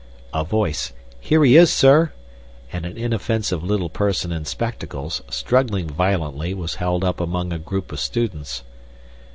(A voice, "Here he is, sir!" and an inoffensive little person in spectacles, struggling violently, was held up among a group of students.)